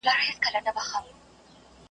پل به له نسیمه سره اخلو څوک مو څه ویني؟ .